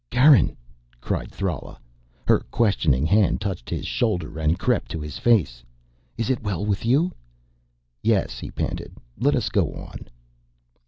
"Garin!" cried Thrala. Her questing hand touched his shoulder and crept to his face. "It is well with you?" "Yes," he panted, "let us go on."